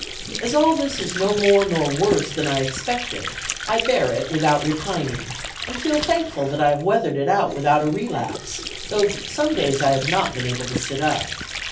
As all this is no more nor worse than I expected, I bear it without repining, and feel thankful that I have weathered it out without a relapse, though some days I have not been able to sit up.